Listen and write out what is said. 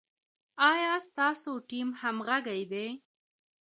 ایا ستاسو ټیم همغږی دی؟